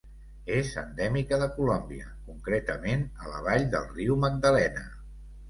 És endèmica de Colòmbia, concretament a la vall del Riu Magdalena.